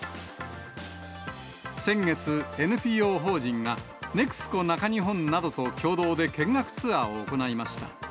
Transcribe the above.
先月、ＮＰＯ法人が、ＮＥＸＣＯ中日本などと共同で見学ツアーを行いました。